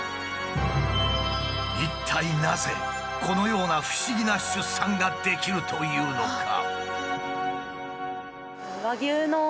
一体なぜこのような不思議な出産ができるというのか？